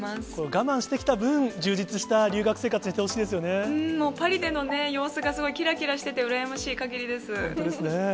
我慢してきた分、充実した留学生活、もうパリでの様子がすごいきらきらしてて、本当ですね。